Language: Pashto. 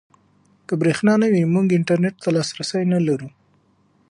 که برېښنا نه وي موږ انټرنيټ ته لاسرسی نلرو.